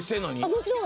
もちろん。